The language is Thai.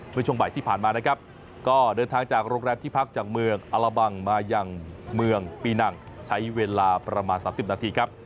ช่วงบ่ายที่ผ่านมานะครับก็เดินทางจากโรงแรมที่พักจากเมืองอลบังมาอย่างเมืองปีนังใช้เวลาประมาณ๓๐นาทีครับ